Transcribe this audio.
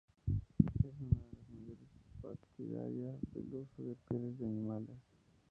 Es una de las mayores partidarias del uso de pieles de animales.